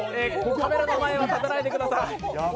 カメラの前は立たないでくださーい。